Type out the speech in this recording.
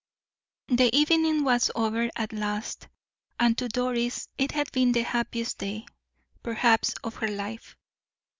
The evening was over at last, and to Doris it had been the happiest day, perhaps, of her life.